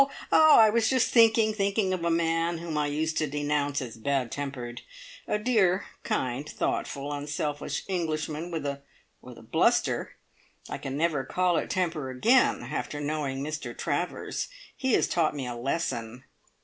"Oh, I was just thinking! Thinking of a man whom I used to denounce as bad tempered! A dear, kind, thoughtful, unselfish Englishman with a a bluster! I can never call it temper again, after knowing Mr Travers! He has taught me a lesson."